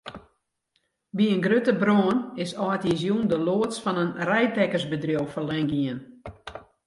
By in grutte brân is âldjiersjûn de loads fan in reidtekkersbedriuw ferlern gien.